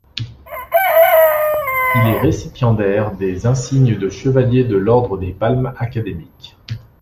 Il est récipiendaire des insignes de chevalier de l'ordre des Palmes Académiques.